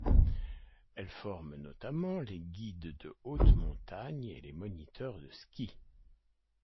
Elle forme notamment les guides de haute montagne et les moniteurs de ski.